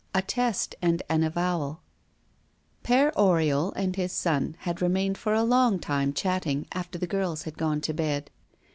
A Test and an Avowal Père Oriol and his son had remained for a long time chatting after the girls had gone to bed.